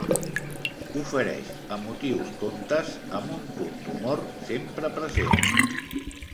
Ofereix emotius contes amb un punt d'humor sempre present.